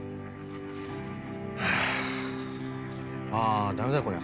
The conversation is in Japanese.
ああダメだこりゃ。